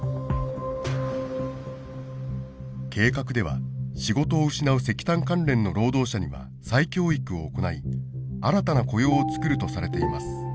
計画では仕事を失う石炭関連の労働者には再教育を行い新たな雇用をつくるとされています。